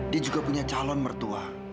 dia juga punya calon mertua